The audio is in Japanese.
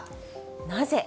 なぜ？